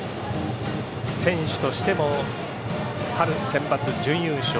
選手としても春センバツ準優勝。